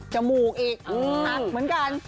จมูกอีกเหมือนกัน